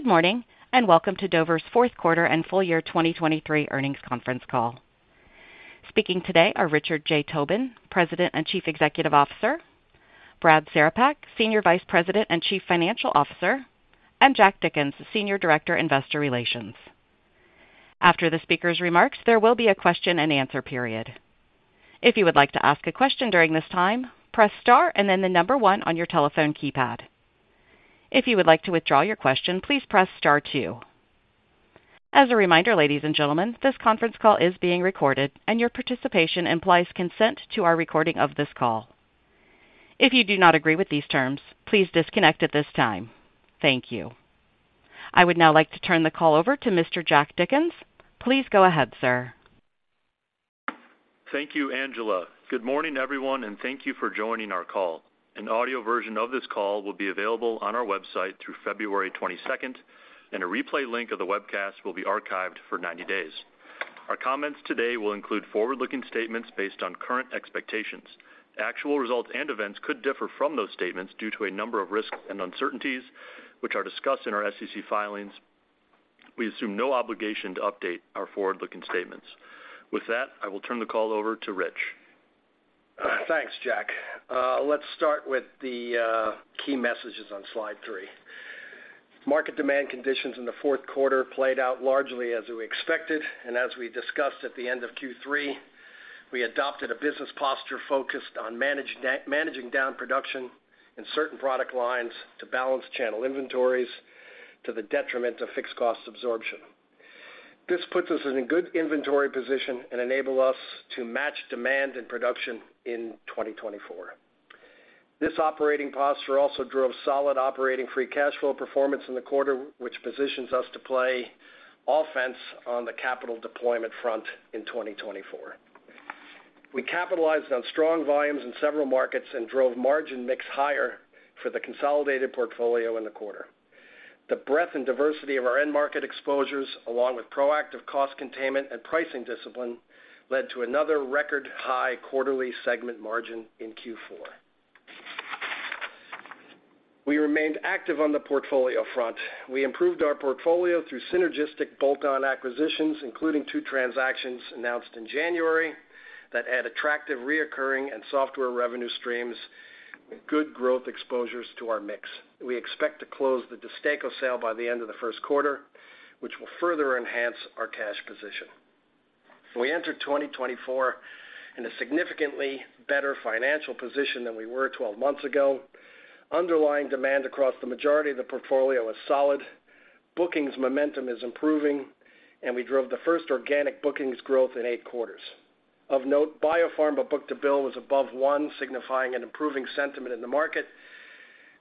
Good morning, and welcome to Dover's Fourth Quarter and Full Year 2023 Earnings Conference Call. Speaking today are Richard J. Tobin, President and Chief Executive Officer, Brad Cerepak, Senior Vice President and Chief Financial Officer, and Jack Dickens, Senior Director, Investor Relations. After the speakers' remarks, there will be a question-and-answer period. If you would like to ask a question during this time, press star and then the number one on your telephone keypad. If you would like to withdraw your question, please press star two. As a reminder, ladies and gentlemen, this conference call is being recorded, and your participation implies consent to our recording of this call. If you do not agree with these terms, please disconnect at this time. Thank you. I would now like to turn the call over to Mr. Jack Dickens. Please go ahead, sir. Thank you, Angela. Good morning, everyone, and thank you for joining our call. An audio version of this call will be available on our website through February twenty-second, and a replay link of the webcast will be archived for 90 days. Our comments today will include forward-looking statements based on current expectations. Actual results and events could differ from those statements due to a number of risks and uncertainties, which are discussed in our SEC filings. We assume no obligation to update our forward-looking statements. With that, I will turn the call over to Rich. Thanks, Jack. Let's start with the key messages on slide three. Market demand conditions in the fourth quarter played out largely as we expected, and as we discussed at the end of Q3, we adopted a business posture focused on managing down production in certain product lines to balance channel inventories, to the detriment of fixed cost absorption. This puts us in a good inventory position and enable us to match demand and production in 2024. This operating posture also drove solid operating free cash flow performance in the quarter, which positions us to play offense on the capital deployment front in 2024. We capitalized on strong volumes in several markets and drove margin mix higher for the consolidated portfolio in the quarter. The breadth and diversity of our end market exposures, along with proactive cost containment and pricing discipline, led to another record-high quarterly segment margin in Q4. We remained active on the portfolio front. We improved our portfolio through synergistic bolt-on acquisitions, including two transactions announced in January, that add attractive recurring and software revenue streams, and good growth exposures to our mix. We expect to close the DESTACO sale by the end of the first quarter, which will further enhance our cash position. We entered 2024 in a significantly better financial position than we were twelve months ago. Underlying demand across the majority of the portfolio is solid, bookings momentum is improving, and we drove the first organic bookings growth in eight quarters. Of note, biopharma book-to-bill was above one, signifying an improving sentiment in the market,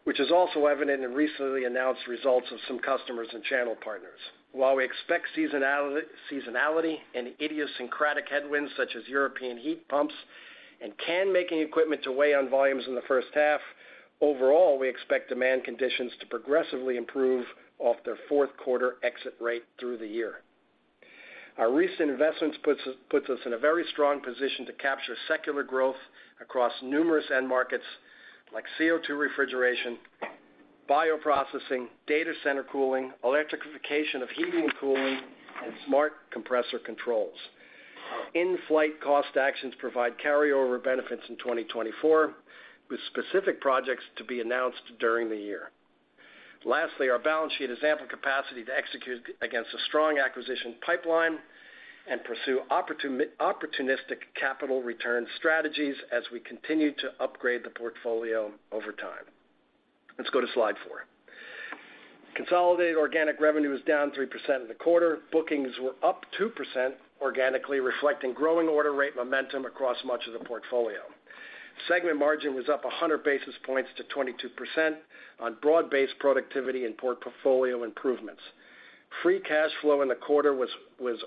which is also evident in recently announced results of some customers and channel partners. While we expect seasonality, seasonality and idiosyncratic headwinds, such as European heat pumps and can-making equipment to weigh on volumes in the first half, overall, we expect demand conditions to progressively improve off their fourth quarter exit rate through the year. Our recent investments puts us, puts us in a very strong position to capture secular growth across numerous end markets, like CO2 refrigeration, bioprocessing, data center cooling, electrification of heating and cooling, and smart compressor controls. In-flight cost actions provide carryover benefits in 2024, with specific projects to be announced during the year. Lastly, our balance sheet has ample capacity to execute against a strong acquisition pipeline and pursue opportunistic capital return strategies as we continue to upgrade the portfolio over time. Let's go to slide four. Consolidated organic revenue is down 3% in the quarter. Bookings were up 2% organically, reflecting growing order rate momentum across much of the portfolio. Segment margin was up 100 basis points to 22% on broad-based productivity and portfolio improvements. Free cash flow in the quarter was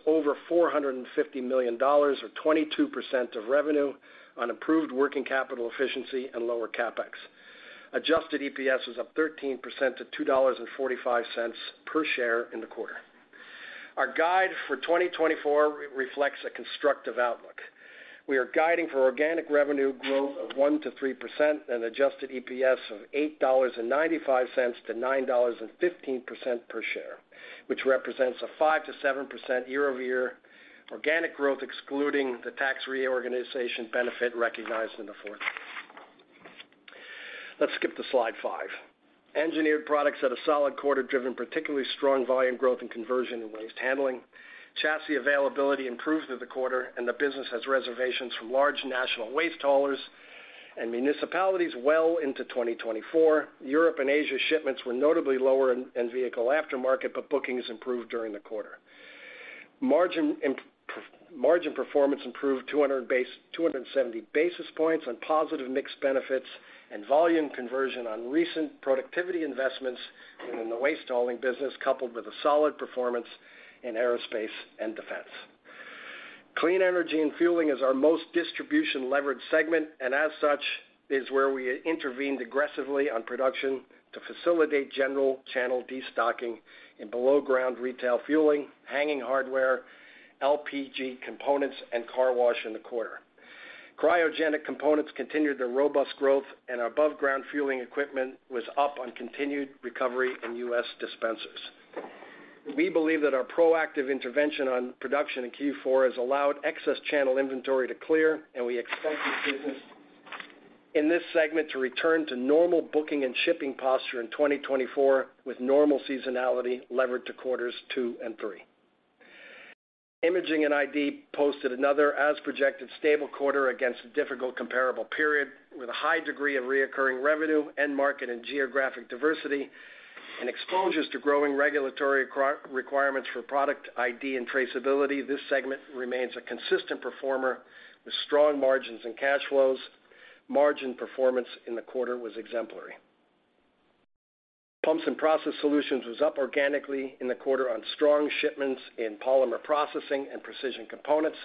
over $450 million, or 22% of revenue on improved working capital efficiency and lower CapEx. Adjusted EPS was up 13% to $2.45 per share in the quarter. Our guide for 2024 reflects a constructive outlook. We are guiding for organic revenue growth of 1%-3% and adjusted EPS of $8.95-$9.15 per share, which represents a 5%-7% year-over-year organic growth, excluding the tax reorganization benefit recognized in the fourth. Let's skip to slide five. Engineered Products had a solid quarter, driven particularly strong volume growth and conversion in waste handling. Chassis availability improved through the quarter, and the business has reservations from large national waste haulers and municipalities well into 2024. Europe and Asia shipments were notably lower in vehicle aftermarket, but bookings improved during the quarter. Margin performance improved 270 basis points on positive mix benefits and volume conversion on recent productivity investments in the waste hauling business, coupled with a solid performance in aerospace and defense. Clean Energy & Fueling is our most distribution-leveraged segment, and as such, is where we intervened aggressively on production to facilitate general channel destocking in below-ground retail fueling, hanging hardware, LPG components, and car wash in the quarter. Cryogenic components continued their robust growth, and our above-ground fueling equipment was up on continued recovery in U.S. dispensers. We believe that our proactive intervention on production in Q4 has allowed excess channel inventory to clear, and we expect this business in this segment to return to normal booking and shipping posture in 2024, with normal seasonality levered to quarters two and three. Imaging & Identification posted another as-projected stable quarter against a difficult comparable period, with a high degree of recurring revenue, end market and geographic diversity, and exposures to growing regulatory requirements for product ID and traceability. This segment remains a consistent performer with strong margins and cash flows. Margin performance in the quarter was exemplary. Pumps & Process Solutions was up organically in the quarter on strong shipments in polymer processing and precision components.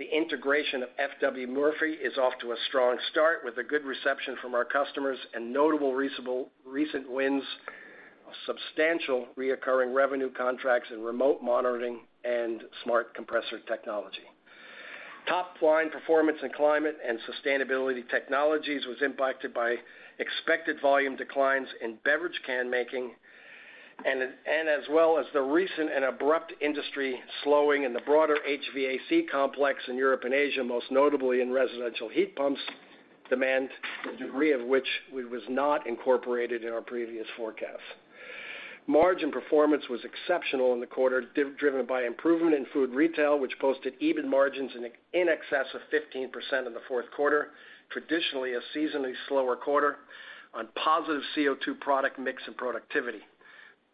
The integration of FW Murphy is off to a strong start, with a good reception from our customers and notable reasonable, recent wins of substantial recurring revenue contracts in remote monitoring and smart compressor technology. Top-line performance in Climate & Sustainability Technologies was impacted by expected volume declines in beverage can making, and as well as the recent and abrupt industry slowing in the broader HVAC complex in Europe and Asia, most notably in residential heat pumps demand, the degree of which we was not incorporated in our previous forecast. Margin performance was exceptional in the quarter, driven by improvement in food retail, which posted EBIT margins in excess of 15% in the fourth quarter, traditionally a seasonally slower quarter, on positive CO2 product mix and productivity.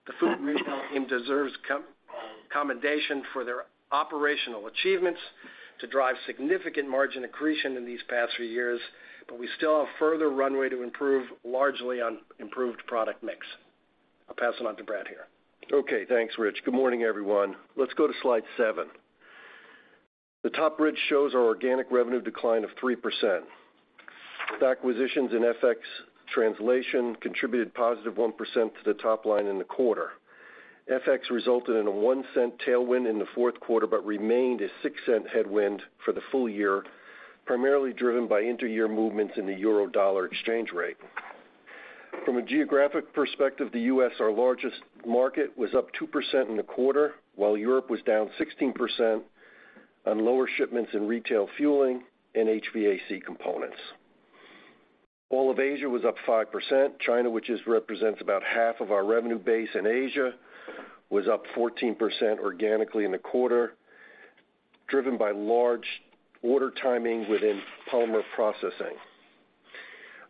The food retail team deserves commendation for their operational achievements to drive significant margin accretion in these past few years, but we still have further runway to improve, largely on improved product mix. I'll pass it on to Brad here. Okay, thanks, Rich. Good morning, everyone. Let's go to slide seven. The top bridge shows our organic revenue decline of 3%. Acquisitions and FX translation contributed positive 1% to the top line in the quarter. FX resulted in a $0.01 tailwind in the fourth quarter, but remained a $0.06 headwind for the full year, primarily driven by inter-year movements in the euro-dollar exchange rate. From a geographic perspective, the U.S., our largest market, was up 2% in the quarter, while Europe was down 16% on lower shipments in retail fueling and HVAC components. All of Asia was up 5%. China, which represents about half of our revenue base in Asia, was up 14% organically in the quarter, driven by large order timing within polymer processing.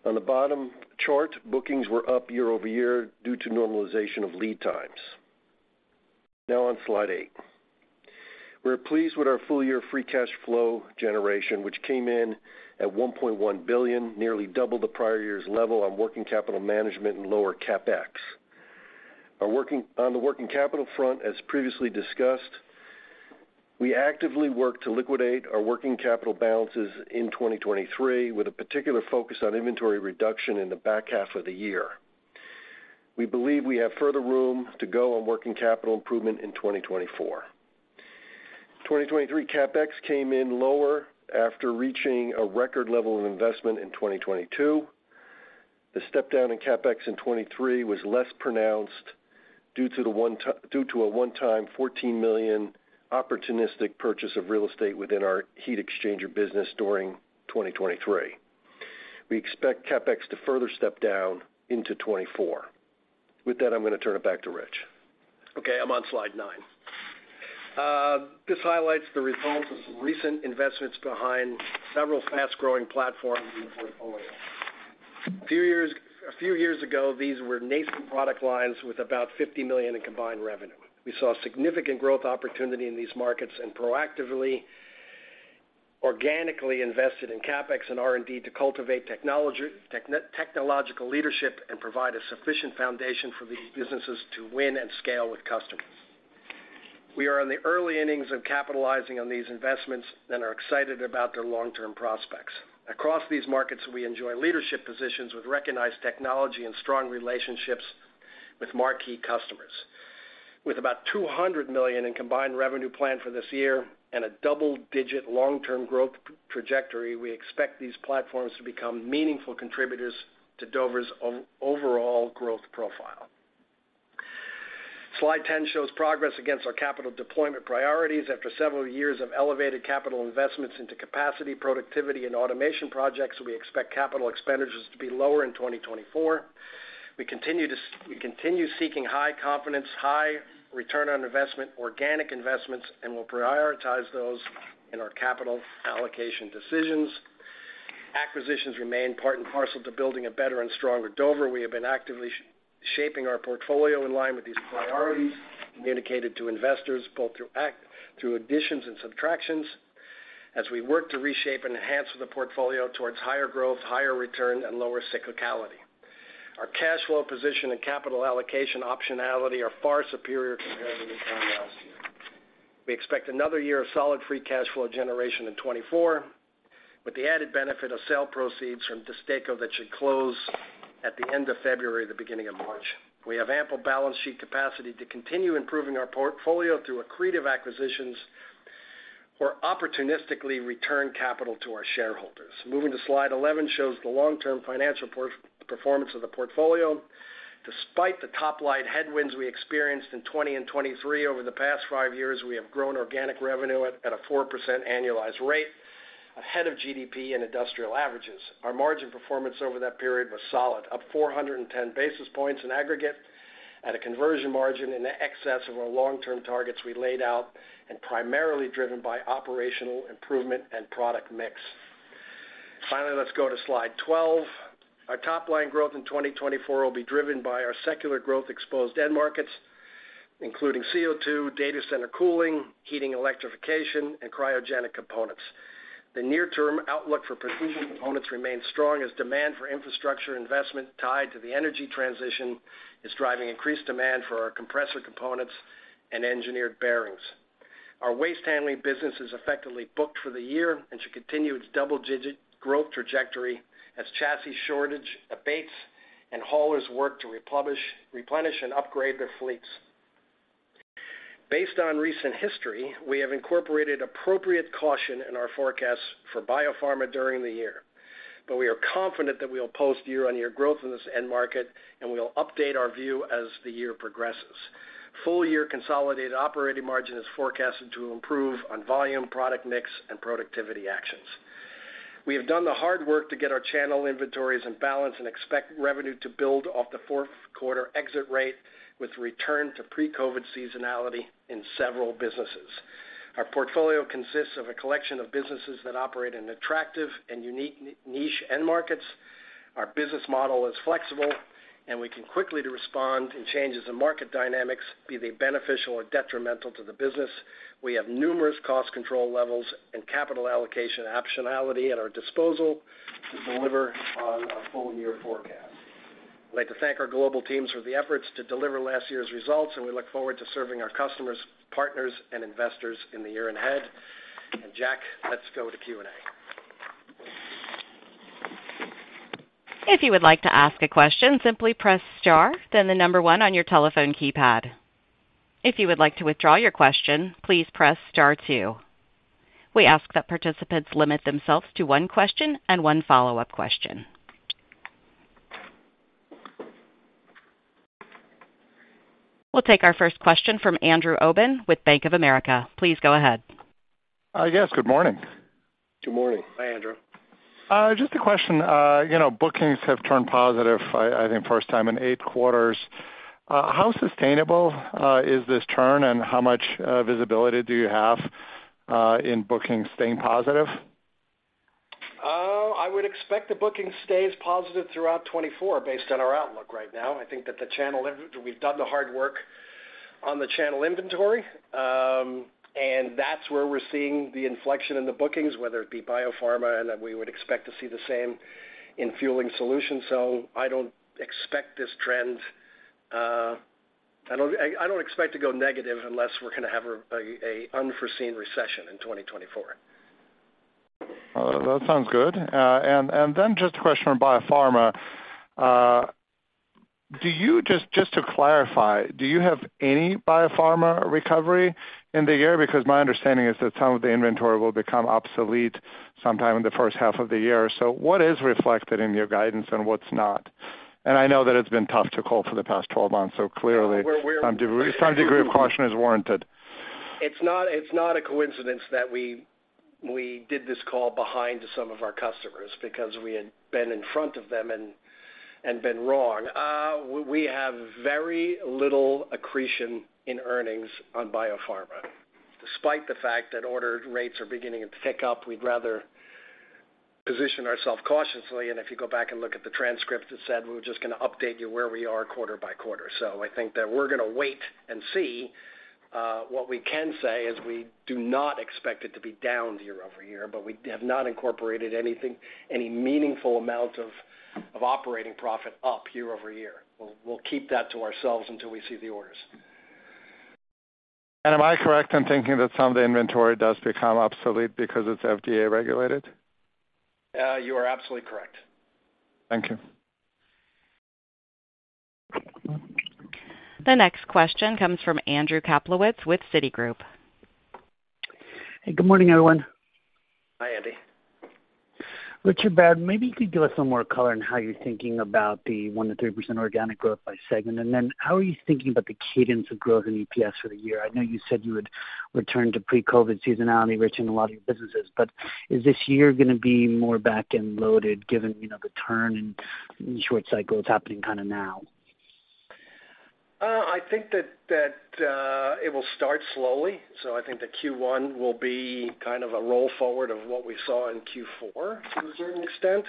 On the bottom chart, bookings were up year-over-year due to normalization of lead times. Now on slide eight. We're pleased with our full-year free cash flow generation, which came in at $1.1 billion, nearly double the prior year's level on working capital management and lower CapEx. On the working capital front, as previously discussed, we actively worked to liquidate our working capital balances in 2023, with a particular focus on inventory reduction in the back half of the year. We believe we have further room to go on working capital improvement in 2024. 2023 CapEx came in lower after reaching a record level of investment in 2022. The step down in CapEx in 2023 was less pronounced due to a one-time $14 million opportunistic purchase of real estate within our heat exchanger business during 2023. We expect CapEx to further step down into 2024. With that, I'm going to turn it back to Rich. Okay, I'm on slide nine. This highlights the results of some recent investments behind several fast-growing platforms in the portfolio. A few years, a few years ago, these were nascent product lines with about $50 million in combined revenue. We saw significant growth opportunity in these markets and proactively, organically invested in CapEx and R&D to cultivate technology, technological leadership and provide a sufficient foundation for these businesses to win and scale with customers. We are in the early innings of capitalizing on these investments and are excited about their long-term prospects. Across these markets, we enjoy leadership positions with recognized technology and strong relationships with marquee customers. With about $200 million in combined revenue planned for this year and a double-digit long-term growth trajectory, we expect these platforms to become meaningful contributors to Dover's overall growth profile. Slide 10 shows progress against our capital deployment priorities. After several years of elevated capital investments into capacity, productivity, and automation projects, we expect capital expenditures to be lower in 2024. We continue seeking high confidence, high return on investment, organic investments, and we'll prioritize those in our capital allocation decisions. Acquisitions remain part and parcel to building a better and stronger Dover. We have been actively shaping our portfolio in line with these priorities, communicated to investors, both through additions and subtractions, as we work to reshape and enhance the portfolio towards higher growth, higher return, and lower cyclicality. Our cash flow position and capital allocation optionality are far superior compared to this time last year. We expect another year of solid free cash flow generation in 2024, with the added benefit of sale proceeds from DESTACO that should close. At the end of February, the beginning of March. We have ample balance sheet capacity to continue improving our portfolio through accretive acquisitions or opportunistically return capital to our shareholders. Moving to slide 11, shows the long-term financial performance of the portfolio. Despite the top-line headwinds we experienced in 2020 and 2023, over the past five years, we have grown organic revenue at, at a 4% annualized rate, ahead of GDP and industrial averages. Our margin performance over that period was solid, up 410 basis points in aggregate, at a conversion margin in excess of our long-term targets we laid out, and primarily driven by operational improvement and product mix. Finally, let's go to slide 12. Our top line growth in 2024 will be driven by our secular growth exposed end markets, including CO2, data center cooling, heating, electrification, and cryogenic components. The near-term outlook for precision components remains strong, as demand for infrastructure investment tied to the energy transition is driving increased demand for our compressor components and engineered bearings. Our waste handling business is effectively booked for the year and should continue its double-digit growth trajectory as chassis shortage abates and haulers work to replenish and upgrade their fleets. Based on recent history, we have incorporated appropriate caution in our forecasts for Biopharma during the year. We are confident that we'll post year-over-year growth in this end market, and we'll update our view as the year progresses. Full year consolidated operating margin is forecasted to improve on volume, product mix, and productivity actions. We have done the hard work to get our channel inventories in balance and expect revenue to build off the fourth quarter exit rate, with return to pre-COVID seasonality in several businesses. Our portfolio consists of a collection of businesses that operate in attractive and unique niche end markets. Our business model is flexible, and we can quickly respond to changes in market dynamics, be they beneficial or detrimental to the business. We have numerous cost control levels and capital allocation optionality at our disposal to deliver on our full year forecast. I'd like to thank our global teams for the efforts to deliver last year's results, and we look forward to serving our customers, partners, and investors in the year ahead. Jack, let's go to Q&A. If you would like to ask a question, simply press star, then the number one on your telephone keypad. If you would like to withdraw your question, please press star two. We ask that participants limit themselves to one question and one follow-up question. We'll take our first question from Andrew Obin with Bank of America. Please go ahead. Yes, good morning. Good morning. Hi, Andrew. Just a question. You know, bookings have turned positive, I, I think, first time in eight quarters. How sustainable is this turn, and how much visibility do you have in bookings staying positive? I would expect the booking stays positive throughout 2024, based on our outlook right now. I think that the channel—we've done the hard work on the channel inventory, and that's where we're seeing the inflection in the bookings, whether it be biopharma, and then we would expect to see the same in fueling solutions. So I don't expect this trend. I don't expect to go negative unless we're gonna have an unforeseen recession in 2024. That sounds good. And then just a question on Biopharma. To clarify, do you have any Biopharma recovery in the year? Because my understanding is that some of the inventory will become obsolete sometime in the first half of the year. So what is reflected in your guidance and what's not? And I know that it's been tough to call for the past 12 months, so clearly, We're, we're- -Some degree of caution is warranted. It's not, it's not a coincidence that we, we did this call behind some of our customers because we had been in front of them and, and been wrong. We, we have very little accretion in earnings on biopharma. Despite the fact that order rates are beginning to pick up, we'd rather position ourselves cautiously, and if you go back and look at the transcript, it said we're just gonna update you where we are quarter by quarter. So I think that we're gonna wait and see. What we can say is we do not expect it to be down year-over-year, but we have not incorporated anything, any meaningful amount of, of operating profit up year-over-year. We'll, we'll keep that to ourselves until we see the orders. Am I correct in thinking that some of the inventory does become obsolete because it's FDA regulated? You are absolutely correct. Thank you. The next question comes from Andrew Kaplowitz with Citigroup. Hey, good morning, everyone. Hi, Andy. Rich, Brad. Maybe you could give us some more color on how you're thinking about the 1%-3% organic growth by segment, and then how are you thinking about the cadence of growth in EPS for the year? I know you said you would return to pre-COVID seasonality, which in a lot of your businesses, but is this year gonna be more back-end loaded, given, you know, the turn in short cycle that's happening kind of now? I think that it will start slowly. So I think the Q1 will be kind of a roll forward of what we saw in Q4 to a certain extent.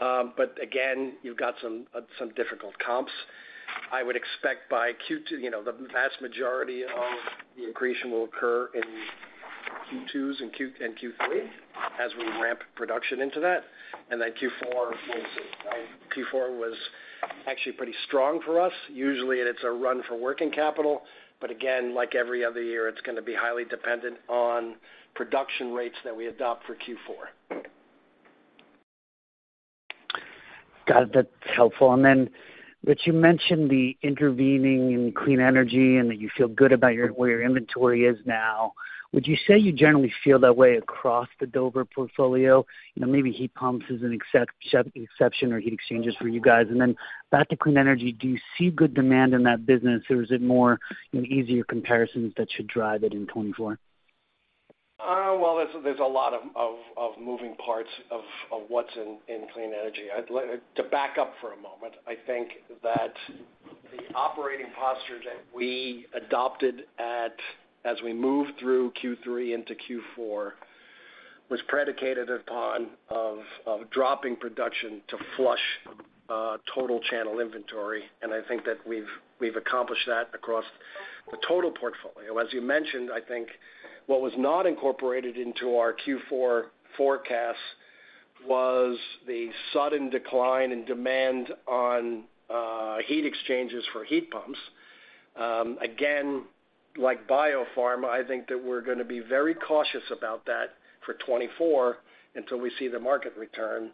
But again, you've got some difficult comps. I would expect by Q2, you know, the vast majority of the accretion will occur in Q2s and Q3 as we ramp production into that, and then Q4, we'll see. Q4 was actually pretty strong for us. Usually, it's a run for working capital, but again, like every other year, it's gonna be highly dependent on production rates that we adopt for Q4. Got it. That's helpful. And then, Rich, you mentioned the investment in clean energy and that you feel good about your, where your inventory is now. Would you say you generally feel that way across the Dover portfolio? You know, maybe heat pumps is an exception or heat exchangers for you guys. And then back to clean energy, do you see good demand in that business, or is it more, you know, easier comparisons that should drive it in 2024? Well, there's a lot of moving parts of what's in clean energy. I'd like to back up for a moment. I think that the operating posture that we adopted as we moved through Q3 into Q4 was predicated upon dropping production to flush total channel inventory, and I think that we've accomplished that across the total portfolio. As you mentioned, I think what was not incorporated into our Q4 forecast was the sudden decline in demand on heat exchangers for heat pumps. Again, like Biopharma, I think that we're gonna be very cautious about that for 2024 until we see the market return.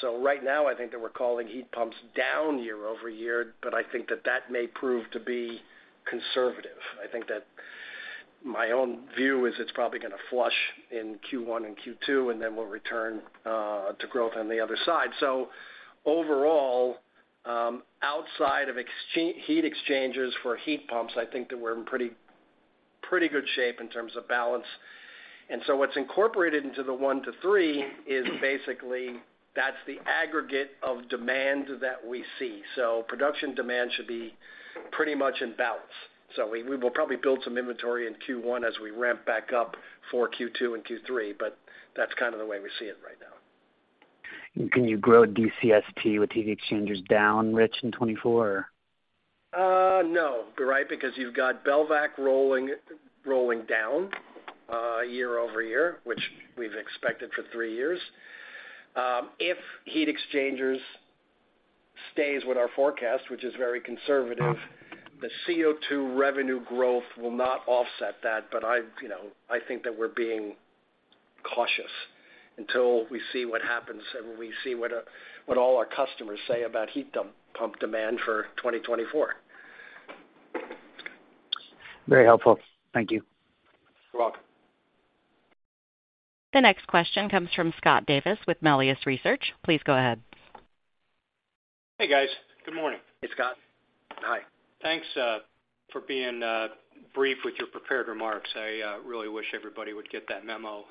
So right now, I think that we're calling heat pumps down year-over-year, but I think that that may prove to be conservative. I think that my own view is it's probably gonna flush in Q1 and Q2, and then we'll return to growth on the other side. So overall, outside of heat exchangers for heat pumps, I think that we're in pretty, pretty good shape in terms of balance. And so what's incorporated into the one-three is basically that's the aggregate of demand that we see. So production demand should be pretty much in balance. So we will probably build some inventory in Q1 as we ramp back up for Q2 and Q3, but that's kind of the way we see it right now. Can you grow DCST with heat exchangers down, Rich, in 2024? No. You're right, because you've got Belvac rolling, rolling down year over year, which we've expected for three years. If heat exchangers stays with our forecast, which is very conservative, the CO2 revenue growth will not offset that. But I, you know, I think that we're being cautious until we see what happens and we see what all our customers say about heat pump, pump demand for 2024. Very helpful. Thank you. You're welcome. The next question comes from Scott Davis with Melius Research. Please go ahead. Hey, guys. Good morning. Hey, Scott. Hi. Thanks, for being brief with your prepared remarks. I really wish everybody would get that memo.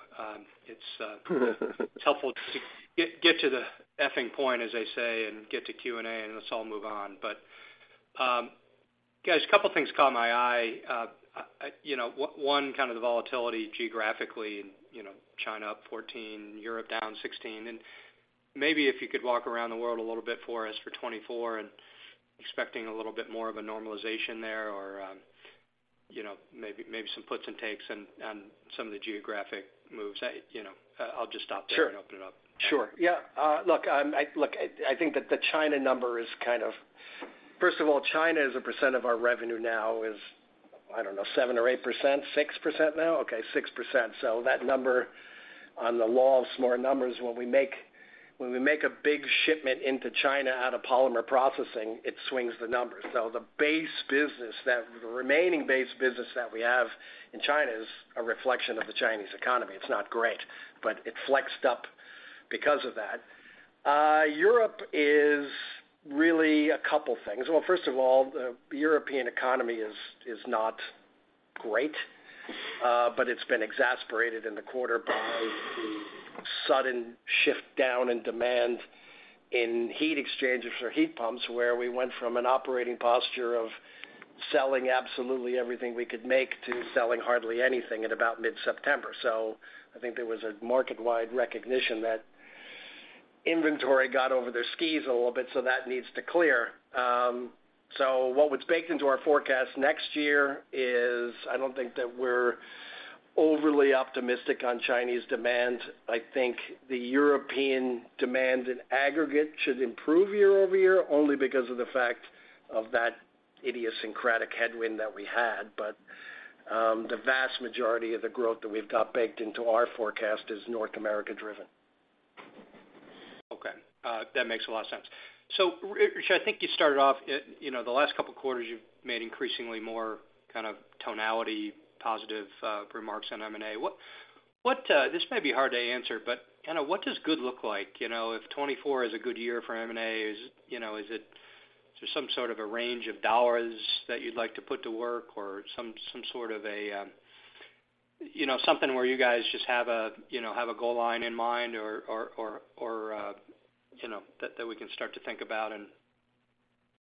It's helpful to get, get to the effing point, as they say, and get to Q&A, and let's all move on. But, guys, a couple things caught my eye. You know, one, kind of the volatility geographically, and, you know, China up 14, Europe down 16. And maybe if you could walk around the world a little bit for us for 2024 and expecting a little bit more of a normalization there or, you know, maybe, maybe some puts and takes on, on some of the geographic moves. I, you know, I'll just stop there- Sure. And open it up. Sure. Yeah. Look, I think that the China number is kind of. First of all, China as a percent of our revenue now is, I don't know, 7% or 8%, 6% now? Okay, 6%. So that number on the law of small numbers, when we make a big shipment into China out of polymer processing, it swings the numbers. So the base business, the remaining base business that we have in China is a reflection of the Chinese economy. It's not great, but it flexed up because of that. Europe is really a couple things. Well, first of all, the European economy is not great, but it's been exacerbated in the quarter by the sudden shift down in demand in heat exchangers for heat pumps, where we went from an operating posture of selling absolutely everything we could make to selling hardly anything at about mid-September. So I think there was a market-wide recognition that inventory got over their skis a little bit, so that needs to clear. So what was baked into our forecast next year is I don't think that we're overly optimistic on Chinese demand. I think the European demand in aggregate should improve year-over-year, only because of the fact of that idiosyncratic headwind that we had. But the vast majority of the growth that we've got baked into our forecast is North America driven. Okay. That makes a lot of sense. So, Rich, I think you started off, you know, the last couple quarters, you've made increasingly more kind of tonality, positive, remarks on M&A. What, this may be hard to answer, but kind of what does good look like? You know, if 2024 is a good year for M&A, is, you know, is it just some sort of a range of dollars that you'd like to put to work or some sort of a, you know, something where you guys just have a, you know, goal line in mind or, or, uh, you know, that we can start to think about and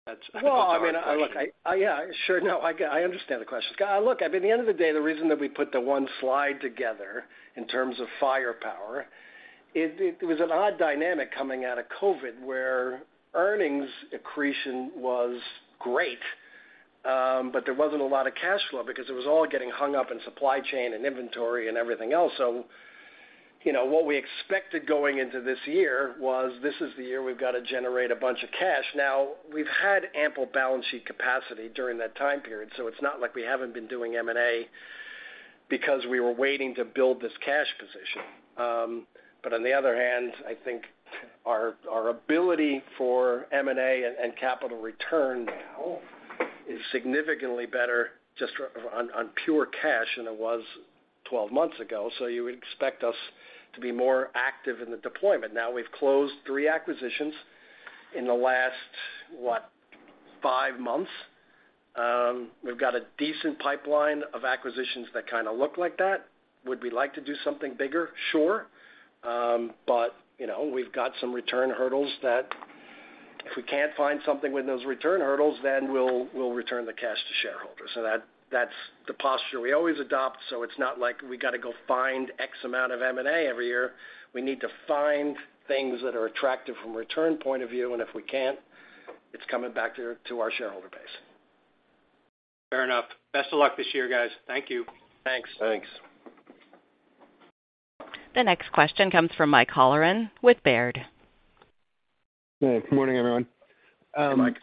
that's- Well, I mean, look, yeah, sure. No, I get, I understand the question. Look, I mean, at the end of the day, the reason that we put the one slide together in terms of firepower, it was an odd dynamic coming out of COVID, where earnings accretion was great, but there wasn't a lot of cash flow because it was all getting hung up in supply chain and inventory and everything else. So, you know, what we expected going into this year was, this is the year we've got to generate a bunch of cash. Now, we've had ample balance sheet capacity during that time period, so it's not like we haven't been doing M&A, because we were waiting to build this cash position. But on the other hand, I think our, our ability for M&A and, and capital return now is significantly better just on, on pure cash than it was 12 months ago. So you would expect us to be more active in the deployment. Now, we've closed three acquisitions in the last, what? five months. We've got a decent pipeline of acquisitions that kind of look like that. Would we like to do something bigger? Sure. But, you know, we've got some return hurdles that if we can't find something with those return hurdles, then we'll, we'll return the cash to shareholders. So that's the posture we always adopt, so it's not like we got to go find X amount of M&A every year. We need to find things that are attractive from a return point of view, and if we can't, it's coming back to our shareholder base. Fair enough. Best of luck this year, guys. Thank you. Thanks. Thanks. The next question comes from Mike Halloran with Baird. Hey, good morning, everyone. Hey, Mike.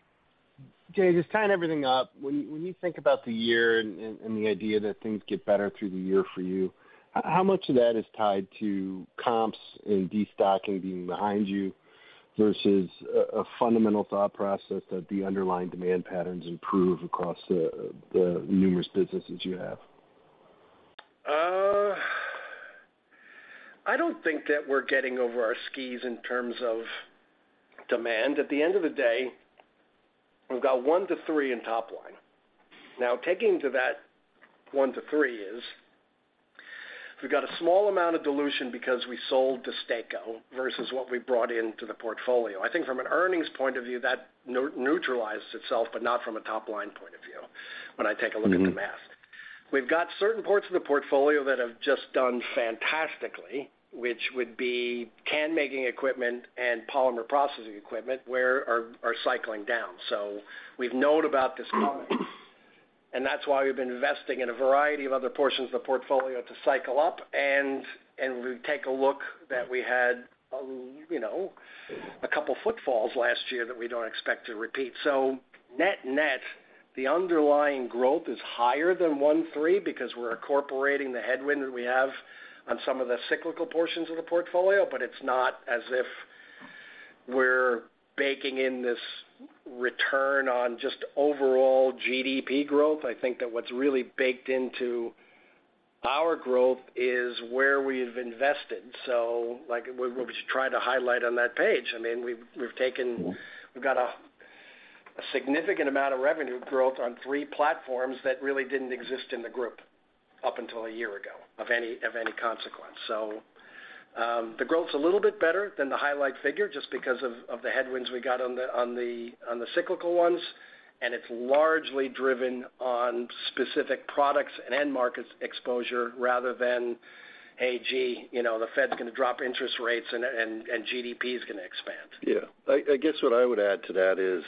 Jay, just tying everything up. When you think about the year and the idea that things get better through the year for you, how much of that is tied to comps and destocking being behind you versus a fundamental thought process that the underlying demand patterns improve across the numerous businesses you have? I don't think that we're getting over our skis in terms of demand. At the end of the day, we've got one-three in top line. Now, taking to that one-three is, we've got a small amount of dilution because we sold DESTACO versus what we brought into the portfolio. I think from an earnings point of view, that neutralizes itself, but not from a top-line point of view, when I take a look at the math. Mm-hmm. We've got certain parts of the portfolio that have just done fantastically, which would be can-making equipment and polymer processing equipment, where are cycling down. So we've known about this coming, and that's why we've been investing in a variety of other portions of the portfolio to cycle up, and we take a look that we had, you know, a couple shortfalls last year that we don't expect to repeat. So net-net, the underlying growth is higher than one-three because we're incorporating the headwind that we have on some of the cyclical portions of the portfolio, but it's not as if we're baking in this return on just overall GDP growth. I think that what's really baked into our growth is where we've invested. So like, we just tried to highlight on that page. I mean, we've taken—we've got a significant amount of revenue growth on three platforms that really didn't exist in the group up until a year ago, of any consequence. So, the growth's a little bit better than the highlight figure, just because of the headwinds we got on the cyclical ones, and it's largely driven on specific products and end markets exposure, rather than, "Hey, gee, you know, the Fed's going to drop interest rates and GDP is going to expand. Yeah. I guess what I would add to that is,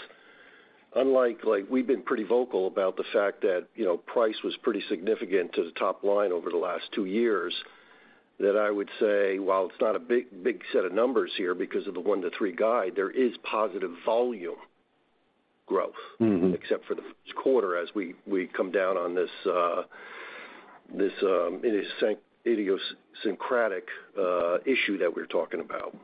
unlike, like, we've been pretty vocal about the fact that, you know, price was pretty significant to the top line over the last two years, that I would say, while it's not a big, big set of numbers here because of the one-three guide, there is positive volume growth- Mm-hmm -except for the first quarter as we come down on this idiosyncratic issue that we're talking about.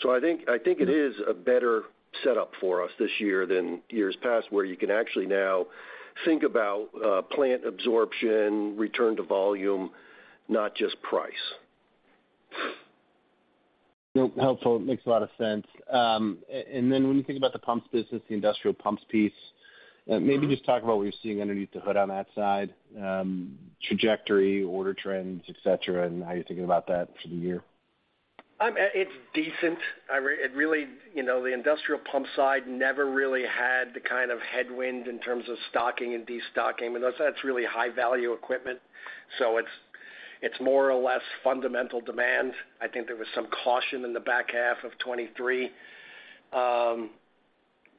So I think it is a better setup for us this year than years past, where you can actually now think about plant absorption, return to volume, not just price. Nope. Helpful. Makes a lot of sense. And then when you think about the pumps business, the industrial pumps piece, maybe just talk about what you're seeing underneath the hood on that side, trajectory, order trends, et cetera, and how you're thinking about that for the year. It's decent. It really, you know, the industrial pump side never really had the kind of headwind in terms of stocking and destocking, even though that's really high-value equipment, so it's, it's more or less fundamental demand. I think there was some caution in the back half of 2023,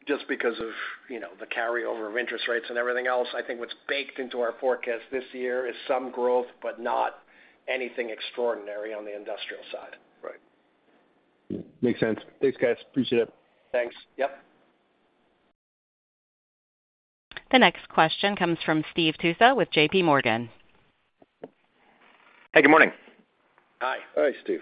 just because of, you know, the carryover of interest rates and everything else. I think what's baked into our forecast this year is some growth, but not anything extraordinary on the industrial side. Right. Makes sense. Thanks, guys. Appreciate it. Thanks. Yep. The next question comes from Steve Tusa with JP Morgan. Hey, good morning. Hi. Hi, Steve.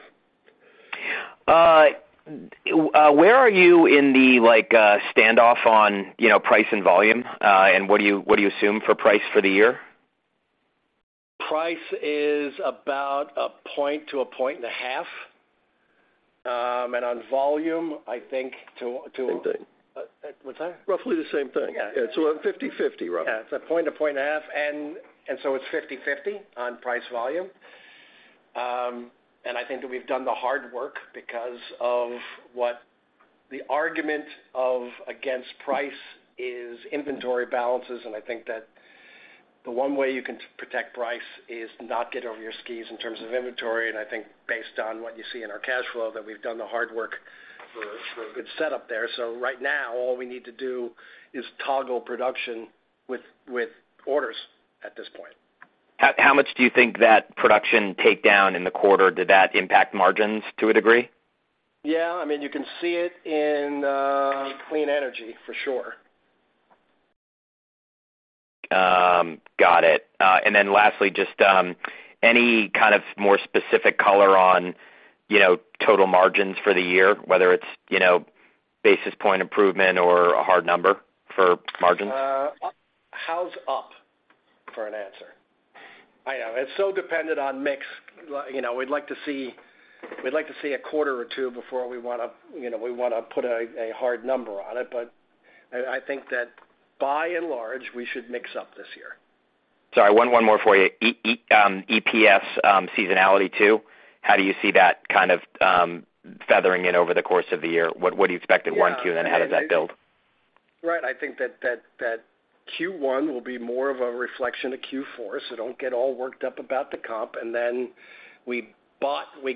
Where are you in the, like, standoff on, you know, price and volume? And what do you, what do you assume for price for the year? Price is about a point to a point and a half. And on volume, I think to- Same thing. What's that? Roughly the same thing. Yeah. A 50/50, roughly. Yeah, it's one-1.5 points, and so it's 50/50 on price volume. And I think that we've done the hard work because of what the argument against price is inventory balances, and I think that the one way you can protect price is not get over your skis in terms of inventory. And I think based on what you see in our cash flow, that we've done the hard work for a good setup there. So right now, all we need to do is toggle production with orders at this point. How much do you think that production takedown in the quarter did that impact margins to a degree? Yeah, I mean, you can see it in Clean Energy for sure. Got it. And then lastly, just any kind of more specific color on, you know, total margins for the year, whether it's, you know, basis point improvement or a hard number for margins? How's that for an answer? I know it's so dependent on mix. You know, we'd like to see, we'd like to see a quarter or two before we want to, you know, we want to put a hard number on it. But I think that by and large, we should mix up this year. Sorry, one more for you. EPS seasonality too, how do you see that kind of feathering in over the course of the year? What do you expect in Q1, and then how does that build? Right. I think that Q1 will be more of a reflection of Q4, so don't get all worked up about the comp, and then we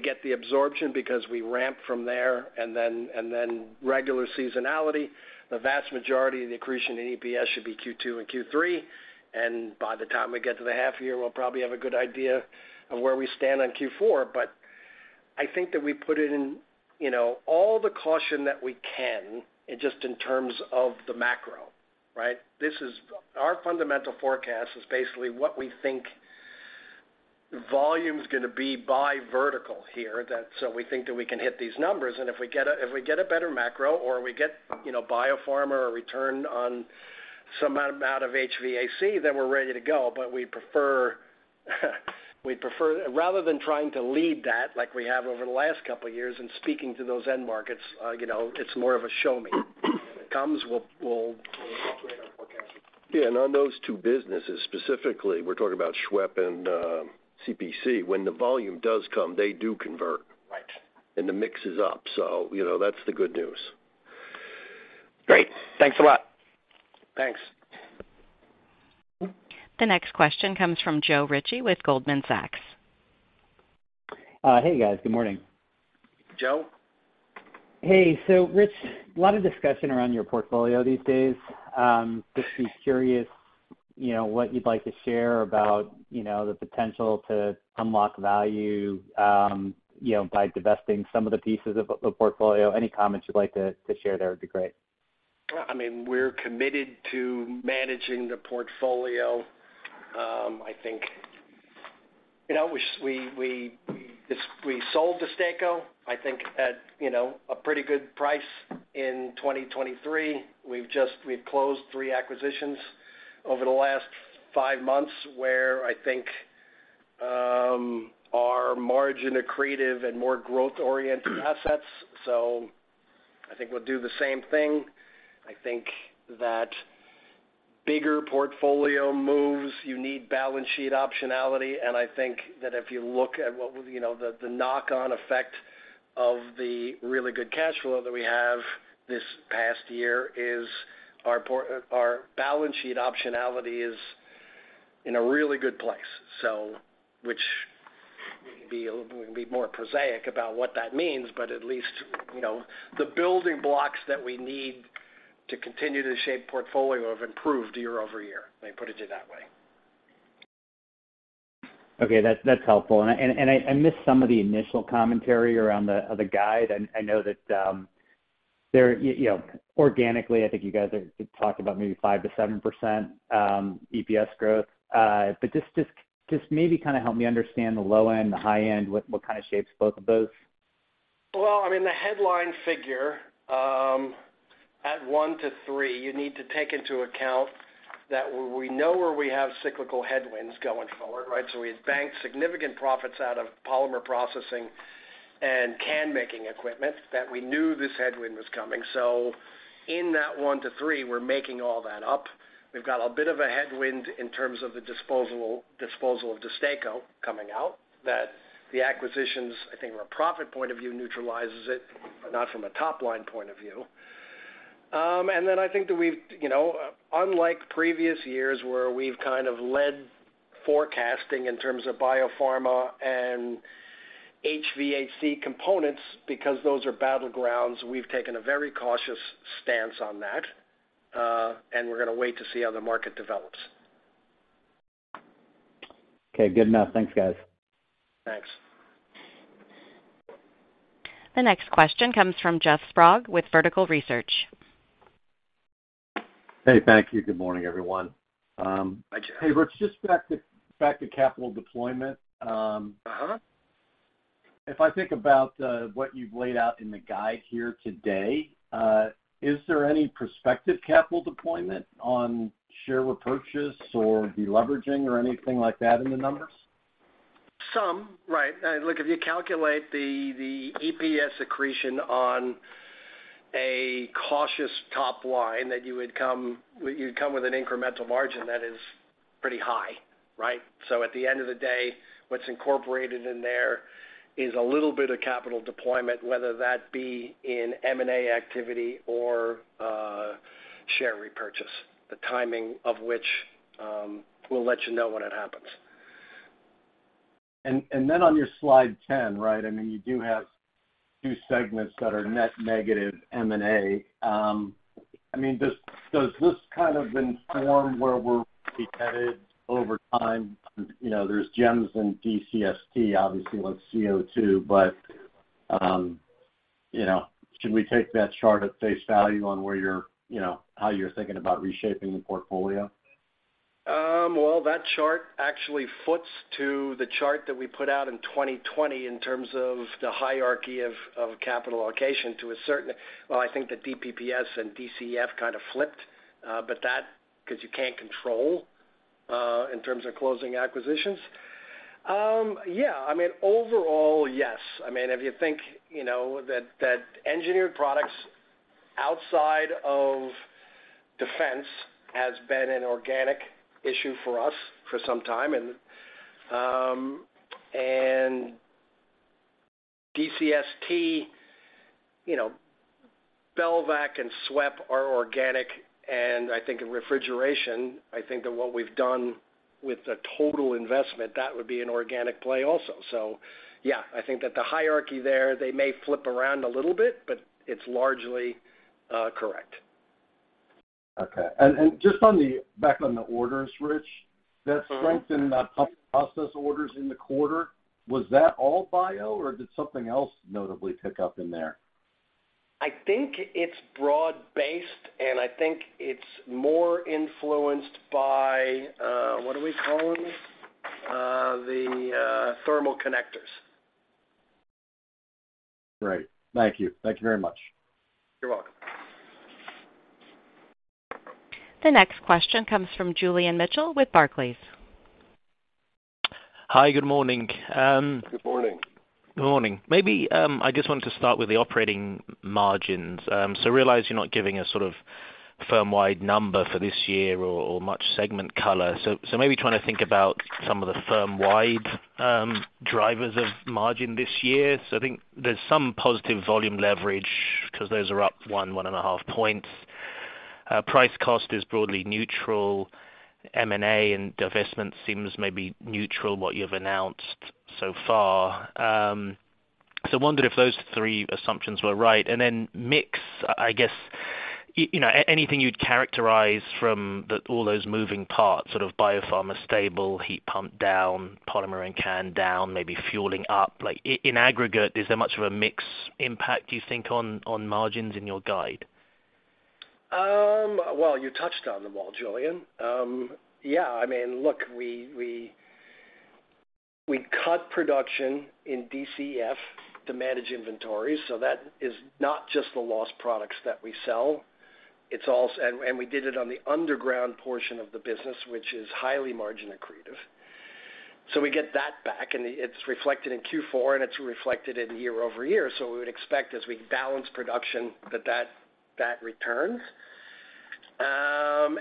get the absorption because we ramp from there, and then regular seasonality. The vast majority of the accretion in EPS should be Q2 and Q3, and by the time we get to the half year, we'll probably have a good idea of where we stand on Q4. But I think that we put it in, you know, all the caution that we can, just in terms of the macro, right? This is. Our fundamental forecast is basically what we think volume's going to be by vertical here, so we think that we can hit these numbers. And if we get a better macro or we get, you know, biopharma or a return on some amount of HVAC, then we're ready to go. But we prefer, we'd prefer, rather than trying to lead that, like we have over the last couple of years and speaking to those end markets, you know, it's more of a show me. If it comes, we'll operate our forecast. Yeah, and on those two businesses, specifically, we're talking about SWEP and CPC. When the volume does come, they do convert. Right. The mix is up, so, you know, that's the good news. Great. Thanks a lot. Thanks. The next question comes from Joe Ritchie with Goldman Sachs. Hey, guys. Good morning. Joe? Hey, so Rich, a lot of discussion around your portfolio these days. Just be curious, you know, what you'd like to share about, you know, the potential to unlock value, you know, by divesting some of the pieces of the portfolio. Any comments you'd like to share there would be great. I mean, we're committed to managing the portfolio. I think, you know, we sold DESTACO, I think, at, you know, a pretty good price in 2023. We've just closed three acquisitions over the last five months, where I think our margin accretive and more growth-oriented assets. So I think we'll do the same thing. I think that bigger portfolio moves, you need balance sheet optionality, and I think that if you look at what, you know, the, the knock-on effect of the really good cash flow that we have this past year is our balance sheet optionality is in a really good place, so which we can be a little bit more prosaic about what that means, but at least, you know, the building blocks that we need to continue to shape portfolio have improved year-over-year. Let me put it to you that way. Okay, that's helpful. I missed some of the initial commentary around the guide. I know that there you know organically, I think you guys are talking about maybe 5%-7% EPS growth. But just maybe kind of help me understand the low end, the high end, what kind of shapes both of those? Well, I mean, the headline figure at one-three, you need to take into account that we know where we have cyclical headwinds going forward, right? So we've banked significant profits out of polymer processing and can-making equipment that we knew this headwind was coming. So in that one-three, we're making all that up. We've got a bit of a headwind in terms of the disposal, disposal of DESTACO coming out, that the acquisitions, I think, from a profit point of view, neutralizes it, but not from a top-line point of view. And then I think that we've, you know, unlike previous years, where we've kind of led forecasting in terms of Biopharma and HVAC components, because those are battlegrounds, we've taken a very cautious stance on that, and we're going to wait to see how the market develops. Okay. Good enough. Thanks, guys. Thanks. The next question comes from Jeff Sprague with Vertical Research. Hey, thank you. Good morning, everyone. Hi, Jeff. Hey, Rich, just back to, back to capital deployment. Uh-huh. If I think about what you've laid out in the guide here today, is there any prospective capital deployment on share repurchases or deleveraging or anything like that in the numbers? Some, right. Look, if you calculate the EPS accretion on a cautious top line, that you would come, you'd come with an incremental margin that is pretty high, right? So at the end of the day, what's incorporated in there is a little bit of capital deployment, whether that be in M&A activity or share repurchase, the timing of which we'll let you know when it happens. And then on your slide 10, right, I mean, you do have two segments that are net negative M&A. I mean, does this kind of inform where we're be headed over time? You know, there's gems in DESTACO, obviously, with CO2, but you know, should we take that chart at face value on where you're, you know, how you're thinking about reshaping the portfolio? Well, that chart actually foots to the chart that we put out in 2020 in terms of the hierarchy of capital allocation to a certain— Well, I think the DPPS and DCF kind of flipped, but that's because you can't control in terms of closing acquisitions. Yeah, I mean, overall, yes. I mean, if you think, you know, that Engineered Products outside of defense has been an organic issue for us for some time, and DCST, you know, Belvac and SWEP are organic, and I think in refrigeration, I think that what we've done with the total investment, that would be an organic play also. So yeah, I think that the hierarchy there, they may flip around a little bit, but it's largely correct. Okay. And just on the back on the orders, Rich, that strength in the process orders in the quarter, was that all bio, or did something else notably pick up in there? I think it's broad-based, and I think it's more influenced by the thermal connectors. Great. Thank you. Thank you very much. You're welcome. The next question comes from Julian Mitchell with Barclays. Hi, good morning. Good morning. Good morning. Maybe I just wanted to start with the operating margins. So realize you're not giving a sort of firm-wide number for this year or much segment color. So, so maybe trying to think about some of the firm-wide drivers of margin this year. So I think there's some positive volume leverage because those are up one-1.5 points. Price cost is broadly neutral. M&A and divestment seems maybe neutral, what you've announced so far. So I wondered if those three assumptions were right. And then mix, I guess, you know, anything you'd characterize from all those moving parts, sort of biopharma stable, heat pump down, polymer and can down, maybe fueling up. Like, in aggregate, is there much of a mix impact, do you think, on margins in your guide? Well, you touched on them all, Julian. Yeah, I mean, look, we cut production in DCF to manage inventory, so that is not just the lost products that we sell. It's also. And we did it on the underground portion of the business, which is highly margin accretive. So we get that back, and it's reflected in Q4, and it's reflected in year-over-year. So we would expect, as we balance production, that returns.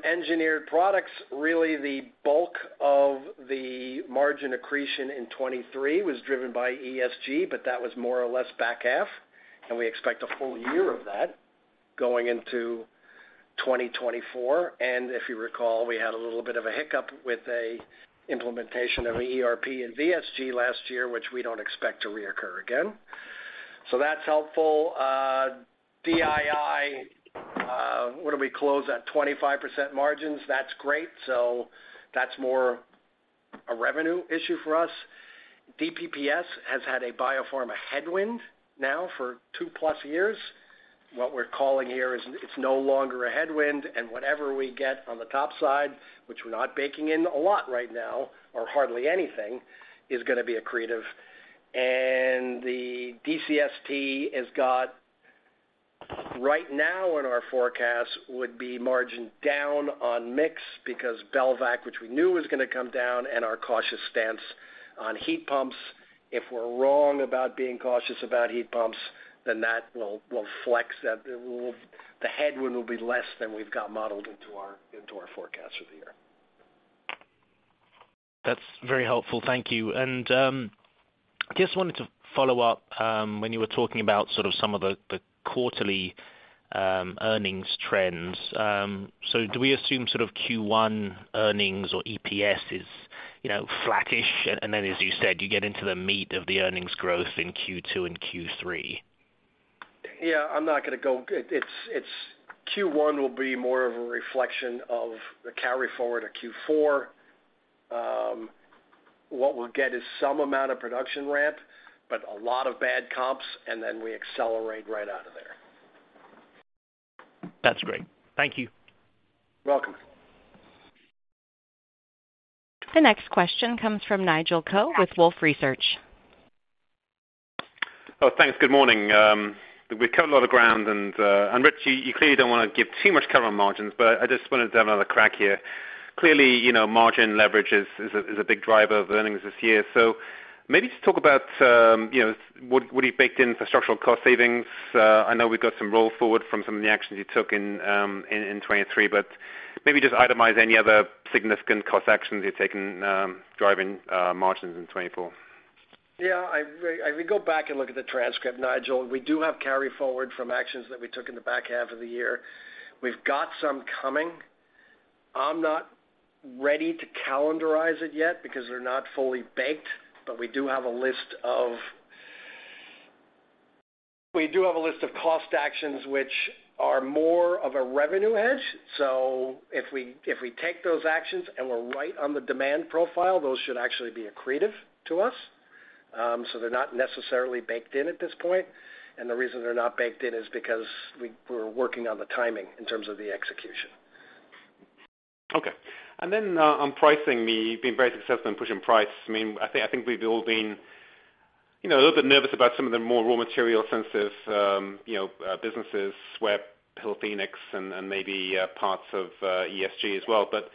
Engineered products, really the bulk of the margin accretion in 2023 was driven by ESG, but that was more or less back half, and we expect a full year of that going into 2024. And if you recall, we had a little bit of a hiccup with an implementation of ERP and VSG last year, which we don't expect to reoccur again. So that's helpful. DII, what do we close at? 25% margins. That's great. So that's more a revenue issue for us. DPPS has had a biopharma headwind now for 2+ years. What we're calling here is it's no longer a headwind, and whatever we get on the top side, which we're not baking in a lot right now, or hardly anything, is gonna be accretive. And the DCST has got, right now in our forecast, would be margin down on mix because Belvac, which we knew was gonna come down, and our cautious stance on heat pumps. If we're wrong about being cautious about heat pumps, then that will flex, that will the headwind will be less than we've got modeled into our forecast for the year. That's very helpful. Thank you. And I just wanted to follow up, when you were talking about sort of some of the quarterly earnings trends. So do we assume sort of Q1 earnings or EPS is, you know, flattish, and then, as you said, you get into the meat of the earnings growth in Q2 and Q3? Yeah, I'm not gonna go. Q1 will be more of a reflection of the carry forward of Q4. What we'll get is some amount of production ramp, but a lot of bad comps, and then we accelerate right out of there. That's great. Thank you. Welcome. The next question comes from Nigel Coe with Wolfe Research. Oh, thanks. Good morning. We've covered a lot of ground, and Rich, you clearly don't want to give too much cover on margins, but I just wanted to have another crack here. Clearly, you know, margin leverage is a big driver of earnings this year. So maybe just talk about, you know, what you've baked in for structural cost savings. I know we've got some roll forward from some of the actions you took in 2023, but maybe just itemize any other significant cost actions you're taking, driving margins in 2024. Yeah, if we go back and look at the transcript, Nigel, we do have carry forward from actions that we took in the back half of the year. We've got some coming. I'm not ready to calendarize it yet, because they're not fully baked, but we do have a list of cost actions which are more of a revenue hedge. So if we, if we take those actions and we're right on the demand profile, those should actually be accretive to us. So they're not necessarily baked in at this point, and the reason they're not baked in is because we're working on the timing in terms of the execution. Okay. And then, on pricing, you've been very successful in pushing price. I mean, I think, I think we've all been, you know, a little bit nervous about some of the more raw material-sensitive, you know, businesses, SWEP, Hillphoenix, and, and maybe, parts of, ESG as well. But it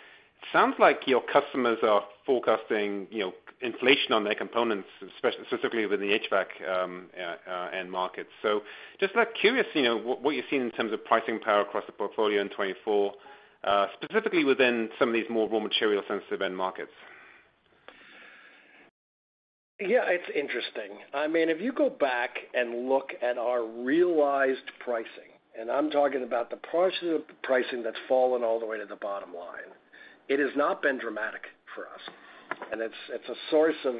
sounds like your customers are forecasting, you know, inflation on their components, specifically with the HVAC end markets. So just curious, you know, what, what you've seen in terms of pricing power across the portfolio in 2024, specifically within some of these more raw material-sensitive end markets. Yeah, it's interesting. I mean, if you go back and look at our realized pricing, and I'm talking about the portion of the pricing that's fallen all the way to the bottom line, it has not been dramatic for us, and it's a source of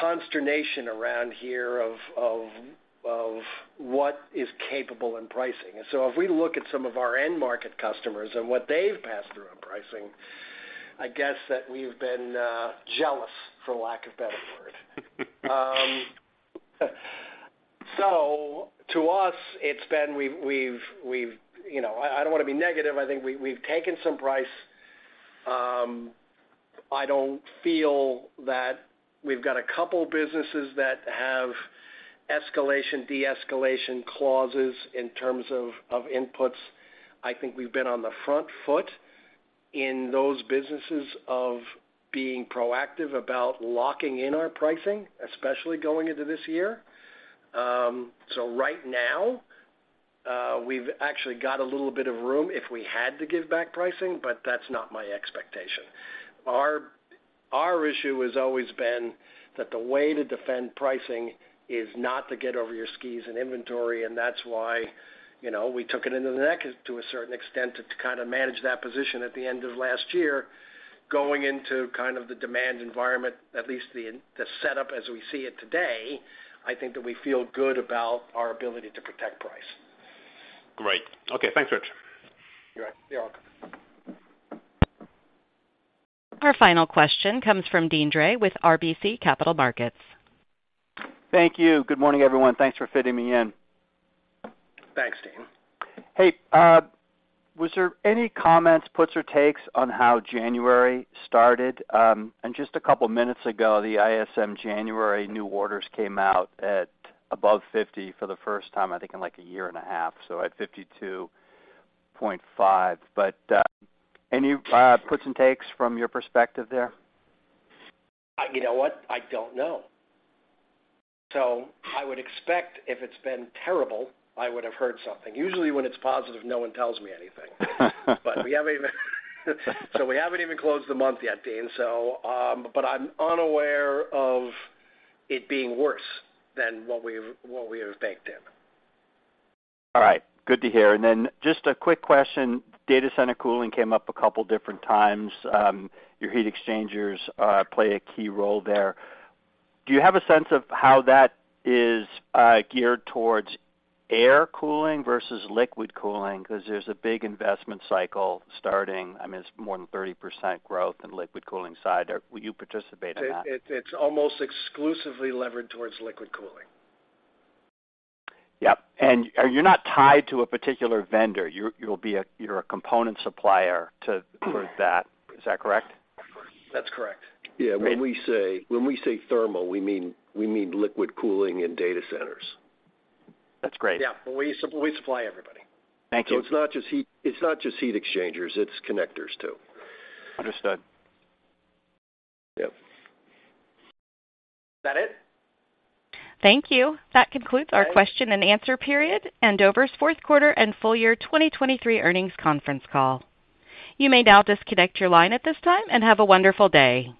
consternation around here of what is capable in pricing. So if we look at some of our end market customers and what they've passed through on pricing, I guess that we've been jealous, for lack of a better word. So to us, it's been we've. You know, I don't want to be negative. I think we've taken some price. I don't feel that we've got a couple businesses that have escalation, de-escalation clauses in terms of inputs. I think we've been on the front foot in those businesses of being proactive about locking in our pricing, especially going into this year. So right now, we've actually got a little bit of room if we had to give back pricing, but that's not my expectation. Our issue has always been that the way to defend pricing is not to get over your skis and inventory, and that's why, you know, we took it into the neck to a certain extent, to kind of manage that position at the end of last year. Going into kind of the demand environment, at least the setup as we see it today, I think that we feel good about our ability to protect price. Great. Okay, thanks, Rich. You're welcome. Our final question comes from Deane Drey with RBC Capital Markets. Thank you. Good morning, everyone. Thanks for fitting me in. Thanks, Deane. Hey, was there any comments, puts or takes, on how January started? And just a couple minutes ago, the ISM January new orders came out at above 50 for the first time, I think, in like a year and a half, so at 52.5. But, any puts and takes from your perspective there? You know what? I don't know. So I would expect if it's been terrible, I would have heard something. Usually, when it's positive, no one tells me anything. But we haven't even closed the month yet, Dean, so, but I'm unaware of it being worse than what we've, what we have baked in. All right. Good to hear. And then just a quick question. Data center cooling came up a couple different times. Your heat exchangers play a key role there. Do you have a sense of how that is geared towards air cooling versus liquid cooling? Because there's a big investment cycle starting. I mean, it's more than 30% growth in liquid cooling side. Will you participate in that? It's almost exclusively levered towards liquid cooling. Yep. And are you not tied to a particular vendor? You're a component supplier to, for that. Is that correct? That's correct. Yeah. Great. When we say thermal, we mean liquid cooling in data centers. That's great. Yeah, we supply everybody. Thank you. So it's not just heat, it's not just heat exchangers, it's connectors, too. Understood. Yep. Is that it? Thank you. That concludes- Okay -our question and answer period and Dover's fourth quarter and full year 2023 earnings conference call. You may now disconnect your line at this time, and have a wonderful day!